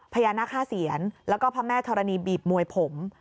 พญานาค๕เซียนแล้วก็พระแม่ธรณีบีบมวยผม